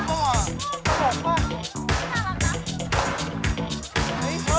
พี่สนุกนะ